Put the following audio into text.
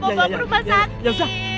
bawa ke rumah sakit